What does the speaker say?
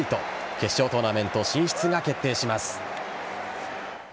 決勝トーナメント進出が決定します。